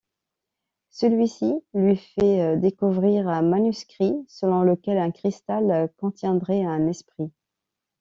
Celui-ci lui fait découvrir un manuscrit, selon lequel un cristal contiendrait un esprit.